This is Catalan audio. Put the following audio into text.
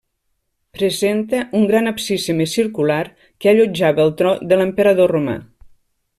Presenta un gran absis semicircular, que allotjava el tron de l'emperador romà.